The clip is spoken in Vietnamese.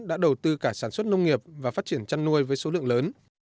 đã đầu tư cả sản xuất nông nghiệp và phát triển chăn nuôi với số lượng lớn